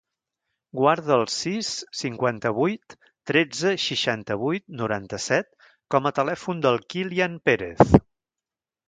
Guarda el sis, cinquanta-vuit, tretze, seixanta-vuit, noranta-set com a telèfon del Kylian Perez.